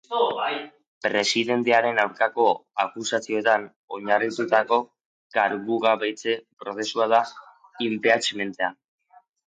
Presidentearen aurkako akusazioetan oinarritutako kargugabetze prozesua da impeachmenta.